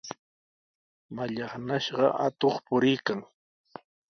Mallaqnashqa atuq puriykan.